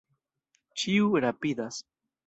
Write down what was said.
Ĉiu rapidas.